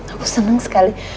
aku seneng sekali